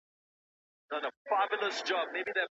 پوهاوی د بدلون لومړی ګام دی.